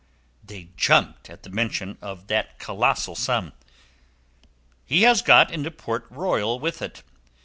They jumped at the mention of that colossal sum. "He has gone into Port Royal with it.